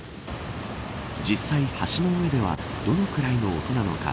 実際、橋の上ではどのくらいの音なのか